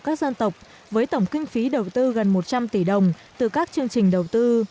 các dân tộc với tổng kinh phí đầu tư gần một trăm linh tỷ đồng từ các chương trình đầu tư